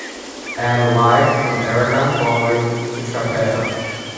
Add Live from Aragon Ballroom to Trapeo